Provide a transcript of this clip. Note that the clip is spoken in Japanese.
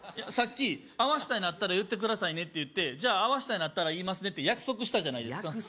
さっき合わしたいのあったら言ってくださいねって言ってじゃあ合わしたいのあったら言いますねって約束したじゃないですか